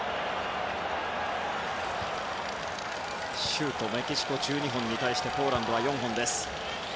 シュート、メキシコ１２本に対しポーランドは４本。